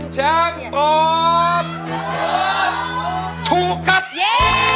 สวัสดีค่า